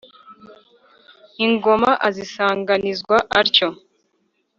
ingoma azisanganizwa atyo.